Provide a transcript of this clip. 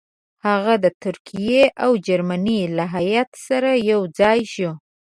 هغه د ترکیې او جرمني له هیات سره یو ځای شو.